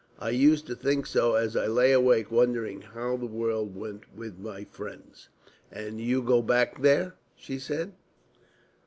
I used to think so as I lay awake wondering how the world went with my friends." "And you go back there?" she said.